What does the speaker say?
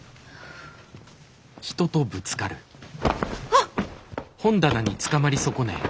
あっ！